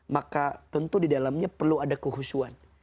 maka tentu di dalamnya perlu ada kehusuan